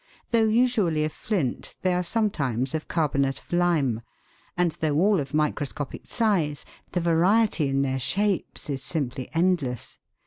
Though usually of flint they are sometimes of carbonate of lime, and though all of micro scopic size, the variety in their shapes is simply endless.